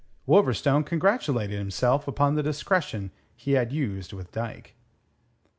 Wolverstone congratulated himself upon the discretion he had used with Dyke.